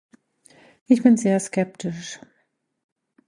Ich bin sehr skeptisch.